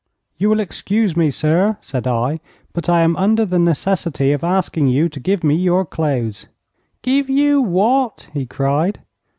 'You will excuse me, sir,' said I, 'but I am under the necessity of asking you to give me your clothes.' 'Give you what?' he cried.